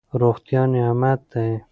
روغتیا نعمت دی.